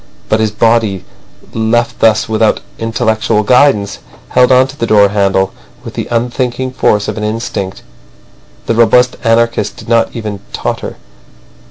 But his body, left thus without intellectual guidance, held on to the door handle with the unthinking force of an instinct. The robust anarchist did not even totter.